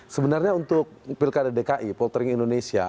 sebenarnya untuk pilkada dki poltering indonesia